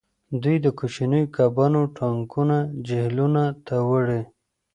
دوی د کوچنیو کبانو ټانکونه جهیلونو ته وړي